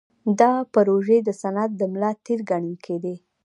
دا پروژې د صنعت د ملا تیر ګڼل کېدې.